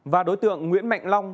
và đối tượng nguyễn mạnh long